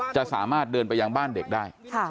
จะสามารถเดินไปยังบ้านเด็กได้